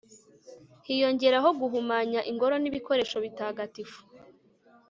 hiyongeraho guhumanya ingoro n'ibikoresho bitagatifu